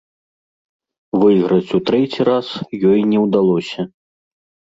Выйграць у трэці раз ёй не ўдалося.